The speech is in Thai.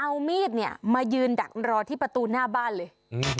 เอามีดเนี่ยมายืนดักรอที่ประตูหน้าบ้านเลย